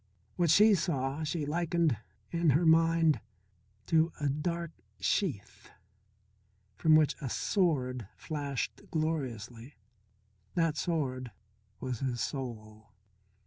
What she saw she likened in her mind to a dark sheath from which a sword flashed gloriously. That sword was his soul.